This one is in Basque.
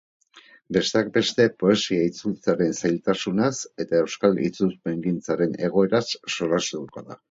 Besteak beste, poesia itzultzearen zailtasunaz eta euskal itzulpengintzaren egoeraz solastatuko da.